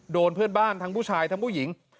โดนเพื่อนบ้านทั้งผู้ชายทั้งผู้หญิง